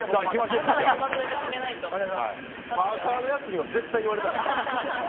パーカのやつには絶対言われたない！